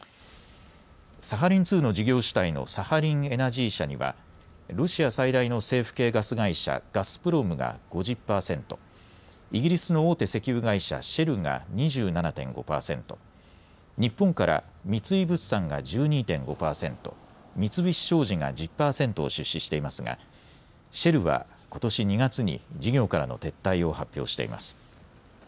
サハリン２の事業主体のサハリンエナジー社にはロシア最大の政府系ガス会社、ガスプロムが５０％、イギリスの大手石油会社、シェルが２７．５％、日本から三井物産が１２．５％、三菱商事が１０％を出資していますがシェルはことし２月に事業からの撤退を発表しています。